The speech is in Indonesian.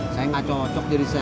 saya gak cocok jadi sales